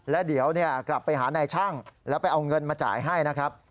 แล้วเดี๋ยวกลับไปหานายช่างแล้วไปเอาเงินมาจ่ายให้นะครับ